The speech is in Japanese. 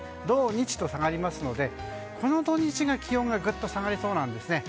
土日と下がりますのでこの土日が気温がぐっと下がりそうなんです。